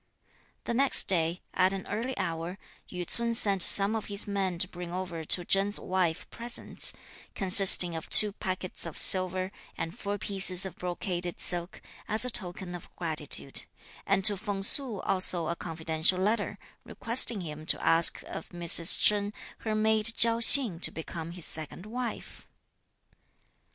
The next day, at an early hour, Yü ts'un sent some of his men to bring over to Chen's wife presents, consisting of two packets of silver, and four pieces of brocaded silk, as a token of gratitude, and to Feng Su also a confidential letter, requesting him to ask of Mrs. Chen her maid Chiao Hsing to become his second wife.